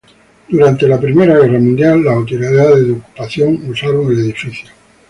En Primera Guerra Mundial las autoridades de ocupación usaban el edificio.